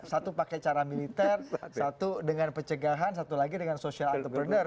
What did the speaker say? satu pakai cara militer satu dengan pencegahan satu lagi dengan social entrepreneur